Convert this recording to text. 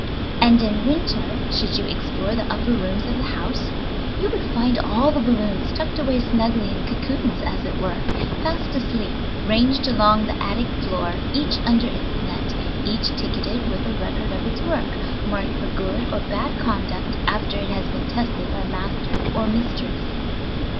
"] And in winter, should you explore the upper rooms of the house, you would find all the balloons tucked away snugly in cocoons, as it were, fast asleep, ranged along the attic floor, each under its net, each ticketed with a record of its work, marked for good or bad conduct after it has been tested by master or mistress.